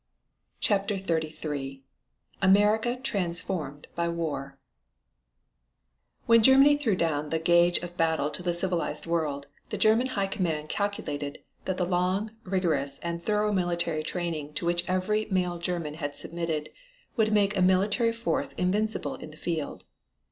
CHAPTER XXXIII AMERICA TRANSFORMED BY WAR When Germany threw down the gauge of battle to the civilized world, the German High Command calculated that the long, rigorous and thorough military training to which every male German had submitted, would make a military force invincible in the field.